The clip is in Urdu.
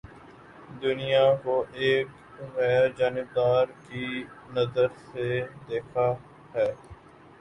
دنیا کو ایک غیر جانبدار کی نظر سے دیکھا ہے